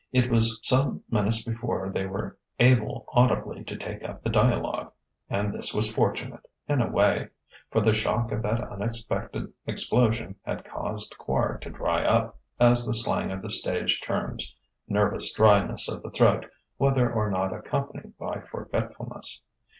It was some minutes before they were able audibly to take up the dialogue. And this was fortunate, in a way; for the shock of that unexpected explosion had caused Quard to "dry up" as the slang of the stage terms nervous dryness of the throat whether or not accompanied by forgetfulness.